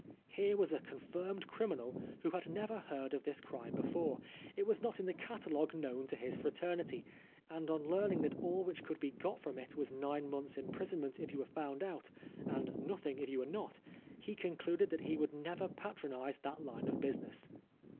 Here was a confirmed criminal who had never heard of this crime before ; it was not in the catalogue known to his fraternity ; and on learning that all which could be got from it was nine months* imprisonment if you were found out, and nothing if you were not, he concluded that he would never patro nise that line of business.